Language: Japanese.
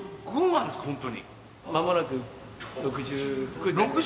間もなく６６に。